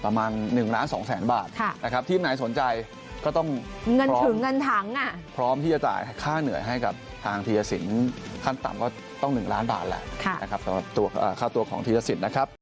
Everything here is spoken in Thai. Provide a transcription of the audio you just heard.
ประมาณ๑ล้าน๒แสนบาททีมไหนสนใจก็ต้องพร้อมที่จะจ่ายค่าเหนื่อยให้กับทางธีรศิลป์ขั้นต่ำก็ต้อง๑ล้านบาทค่าตัวของธีรศิลป์นะครับ